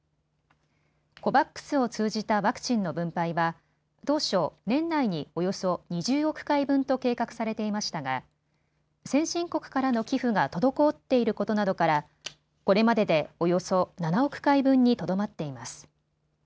ＣＯＶＡＸを通じたワクチンの分配は当初、年内におよそ２０億回分と計画されていましたが先進国からの寄付が滞っていることなどからこれまででおよそ７億回分にとどまっています。